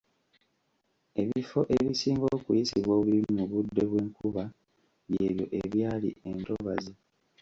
Ebifo ebisinga okuyisibwa obubi mu budde bw’enkuba by’ebyo ebyali entobazi.